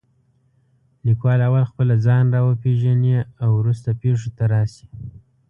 لیکوال اول خپله ځان را وپېژنې او وروسته پېښو ته راشي.